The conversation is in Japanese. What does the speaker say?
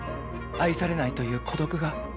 愛されないという孤独が。